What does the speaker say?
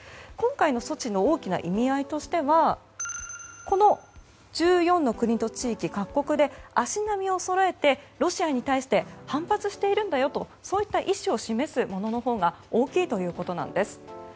今回の措置の大きな意味合いとしては１４の国と地域各国で足並みをそろえてロシアに対して反発しているんだよという意思を示すもののほうが大きいということなんです。